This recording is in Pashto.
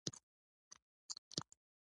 باور یې نه راته چې موږ نیمروز کې یو.